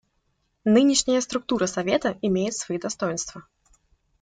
Нынешняя структура Совета имеет свои достоинства.